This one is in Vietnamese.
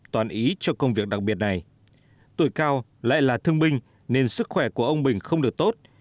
toàn ý cho công việc đặc biệt này tuổi cao lại là thương binh nên sức khỏe của ông bình không được tốt